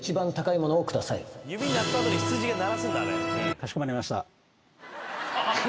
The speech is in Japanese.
かしこまりました。